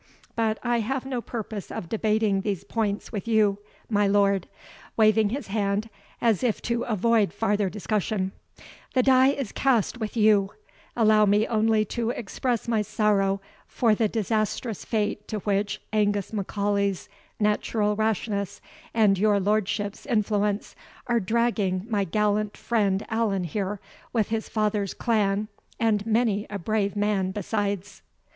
But I have no purpose of debating these points with you, my lord," waving his hand, as if to avoid farther discussion; "the die is cast with you; allow me only to express my sorrow for the disastrous fate to which Angus M'Aulay's natural rashness, and your lordship's influence, are dragging my gallant friend Allan here, with his father's clan, and many a brave man besides."